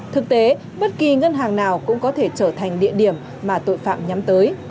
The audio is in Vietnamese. thực tế bất kỳ ngân hàng nào cũng có thể trở thành địa điểm mà tội phạm nhắm tới